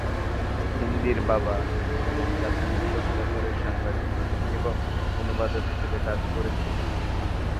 হিন্দির বাবা এবং চাচা মিশর সরকারের সাংবাদিক এবং অনুবাদক হিসাবে কাজ করেছিলেন।